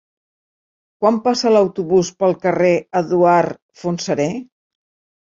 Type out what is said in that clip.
Quan passa l'autobús pel carrer Eduard Fontserè?